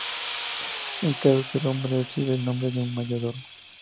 En caso de ser un hombre, recibe el nombre de mayordomo.